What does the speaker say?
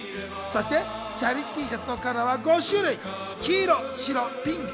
そしてチャリＴシャツのカラーは５種類。